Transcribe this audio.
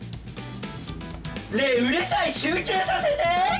ねえうるさい集中させて！